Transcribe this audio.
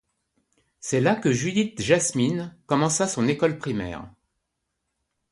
C'est là que Judith Jasmin commença son école primaire.